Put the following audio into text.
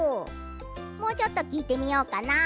もうちょっときいてみようかな。